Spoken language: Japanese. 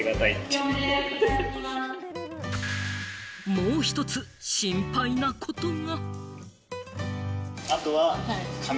もう１つ心配なことが。